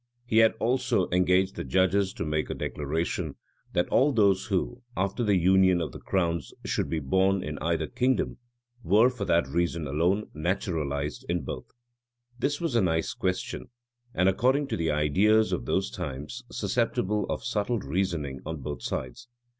He had also engaged the judges to make a declaration, that all those who, after the union of the crowns, should be born in either kingdom, were, for that reason alone, naturalized in both. This was a nice question, and, according to the ideas of those times, susceptible of subtle reasoning on both sides.